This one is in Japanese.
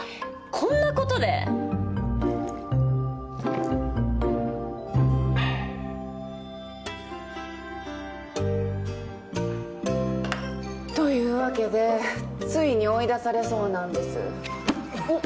こんなことで？というわけでついに追い出されそうなんです。